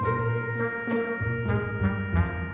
saya tidak suka kertas